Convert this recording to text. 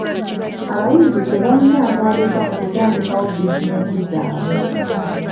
Abayizi tebalina ntandikwa okutandikawo bizinensi zaabwe.